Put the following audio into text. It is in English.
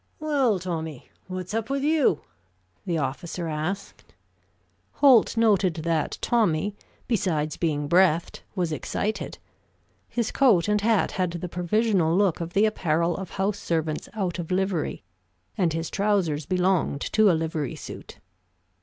"Well, Tommy, what's up with you?" the officer asked. Holt noted that Tommy, besides being breathed, was excited. His coat and hat had the provisional look of the apparel of house servants out of livery, and his trousers belonged to a livery suit.